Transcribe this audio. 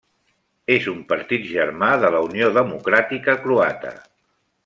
És un partit germà de la Unió Democràtica Croata.